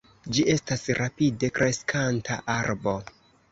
Ĝi estas rapide kreskanta arbo.